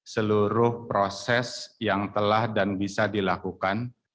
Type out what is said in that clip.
seluruh proses yang telah dan bisa dilakukan